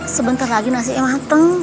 sebentar lagi nasinya mateng